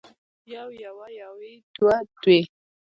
يو يوه يوې دوه دوې